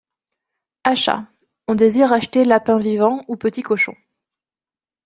Achat., On désire acheter lapins vivants ou petits cochons.